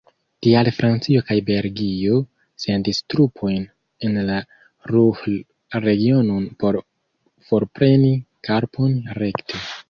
Tial Francio kaj Belgio sendis trupojn en la Ruhr-regionon por forpreni karbon rekte.